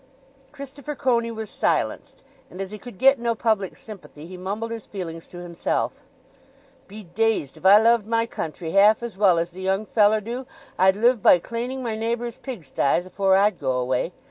Christopher Coney was silenced, and as he could get no public sympathy, he mumbled his feelings to himself: "Be dazed, if I loved my country half as well as the young feller do, I'd live by claning my neighbour's pigsties afore I'd go away!